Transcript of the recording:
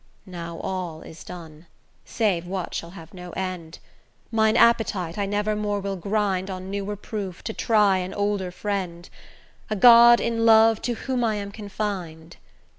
Now all is done, save what shall have no end: Mine appetite I never more will grind On newer proof, to try an older friend, A god in love, to whom I am confin'd.